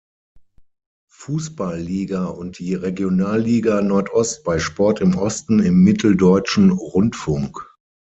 Fußball-Liga und die Regionalliga Nordost bei Sport im Osten im Mitteldeutschen Rundfunk.